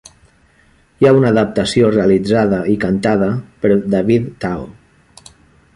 Hi ha una adaptació realitzada i cantada per David Tao.